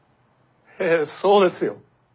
ええそうですよ。